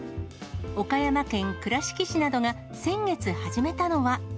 岡山県倉敷市などが先月始めたのは。